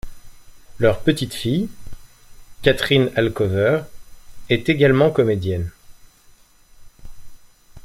Leur petite fille, Catherine Alcover, est également comédienne.